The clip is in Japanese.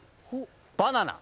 バナナ。